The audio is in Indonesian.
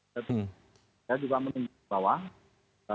saya juga menunggu bawah